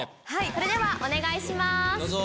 それではお願いします。